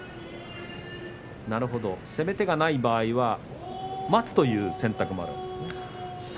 攻め手がない場合には待つという選択もあるんですね。